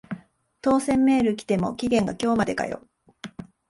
当選メール来ても期限が今日までかよ